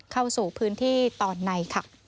เข้าสู่พื้นที่ตอนใน